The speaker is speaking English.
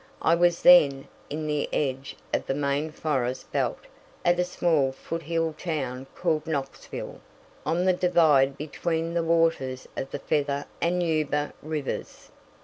I was then in the edge of the main forest belt at a small foot hill town called Knoxville, on the divide between the waters of the Feather and Yuba rivers.